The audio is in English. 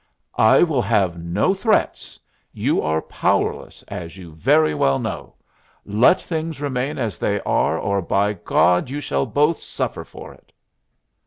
"I will have no threats; you are powerless, as you very well know. Let things remain as they are or, by God! you shall both suffer for it."